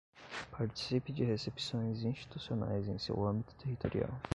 Participe de recepções institucionais em seu âmbito territorial.